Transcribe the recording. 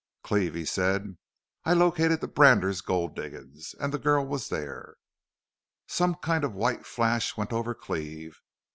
"'Cleve,' he said, 'I located the Brander gold diggin's an' the girl was there.' "Some kind of a white flash went over Cleve.